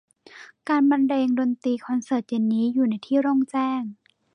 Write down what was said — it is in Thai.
การบรรเลงดนตรีคอนเสิร์ตเย็นนี้อยู่ในที่โล่งแจ้ง